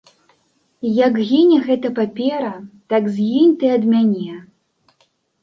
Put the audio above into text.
Як гіне гэта папера, так згінь ты ад мяне.